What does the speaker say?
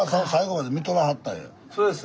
そうです。